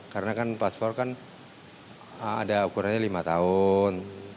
karena kan paspor kan ada ukurannya lima tahun